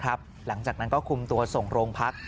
หลังจากนั้นก็คุมตัวส่งโรงพัก